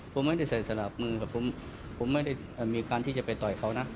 ผมไม่ได้ใส่สลับมือกับผมผมไม่ได้มีการที่จะไปต่อยเขานะ